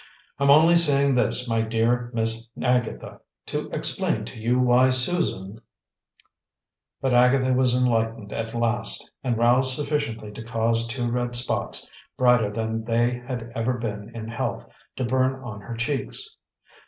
I'm only saying this, my dear Miss Agatha, to explain to you why Susan " But Agatha was enlightened at last, and roused sufficiently to cause two red spots, brighter than they had ever been in health, to burn on her cheeks.